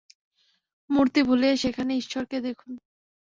মূর্তি ভুলিয়া সেখানে ঈশ্বরকে দেখুন।